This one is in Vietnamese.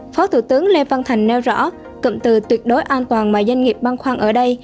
phó thủ tướng lê văn thành nêu rõ cụm từ tuyệt đối an toàn mà doanh nghiệp băng khoăn ở đây